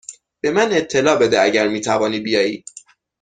به من اطلاع بده اگر می توانی بیایی.